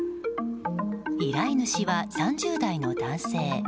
依頼主は３０代の男性。